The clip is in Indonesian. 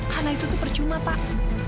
karena itu tuh percuma pak